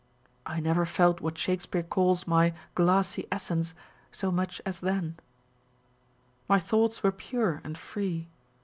I never felt what Shakespeare calls my " glassy essence " so much as then. My thoughts were pure and free.